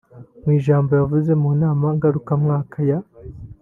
Mu ijambo yavuze mu nama ngarukamwaka ya